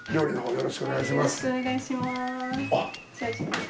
よろしくお願いします。